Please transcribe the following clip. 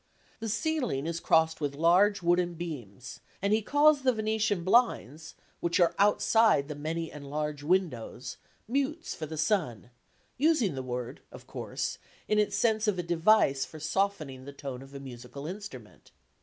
The ceiling is crossed with large wooden beams, and he calls the Venetian blinds, which are outside the many and large windows, "mutes" for the sun, using the word, of course, in its sense of a device for softening the tone of a musical instrument.